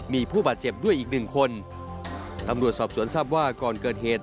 มีผู้บาดเจ็บด้วยอีกหนึ่งคนตำรวจสอบสวนทราบว่าก่อนเกิดเหตุ